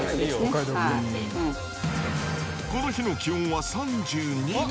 この日の気温は３２度。